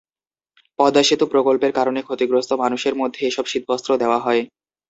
পদ্মা সেতু প্রকল্পের কারণে ক্ষতিগ্রস্ত মানুষের মধ্যে এসব শীতবস্ত্র দেওয়া হয়।